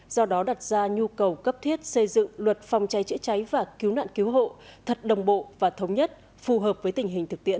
do đó đặt ra nhu cầu cấp thiết xây dựng luật phòng cháy chữa cháy và cứu nạn cứu hộ thật đồng bộ và thống nhất phù hợp với tình hình thực tiễn